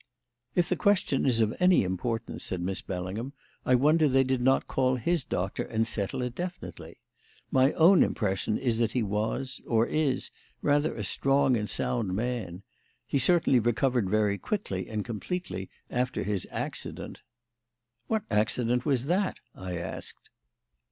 "If the question is of any importance," said Miss Bellingham, "I wonder they did not call his doctor and settle it definitely. My own impression is that he was or is rather a strong and sound man. He certainly recovered very quickly and completely after his accident." "What accident was that?" I asked.